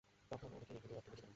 তখন অনেকেই এগুলির অর্থ বুঝিত।